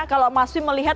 kalau mas fim melihat